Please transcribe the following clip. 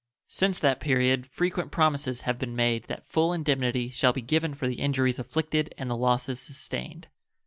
Since that period frequent promises have been made that full indemnity shall be given for the injuries inflicted and the losses sustained.